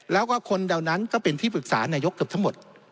แล้วก็คนเหล่านั้นก็เป็นที่ปรึกษานายกเกือบทั้งหมด